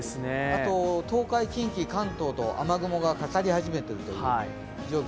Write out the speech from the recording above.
あと、東海、近畿、関東と雨雲がかかり始めています。